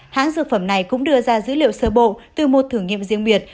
hãng dược phẩm này cũng đưa ra dữ liệu sơ bộ từ một thử nghiệm riêng biệt